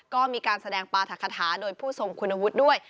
ก็มีการแสดงปราธคาถาโดยผู้ทรงคุณวุฒิด้วย